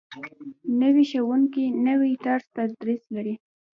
نوی ښوونکی نوی طرز تدریس لري